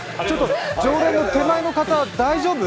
常連の手前の方大丈夫？